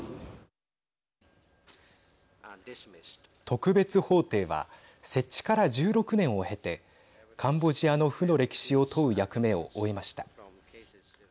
特別法廷は設置から１６年を経てカンボジアの負の歴史を問う役目を終えました。